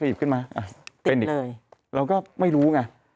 ขยิบขึ้นมาติดเลยเราก็ไม่รู้ไง